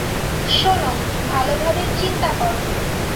শোন, ভালোভাবে চিন্তা করো।